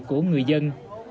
của người dân